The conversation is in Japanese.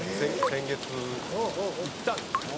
先月行ったんです。